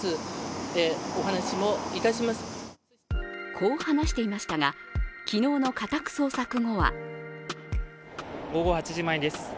こう話していましたが昨日の家宅捜索後は午後８時前です。